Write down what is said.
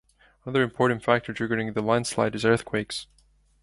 Another important factor triggering the landslide is earthquakes.